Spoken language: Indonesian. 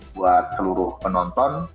buat seluruh penonton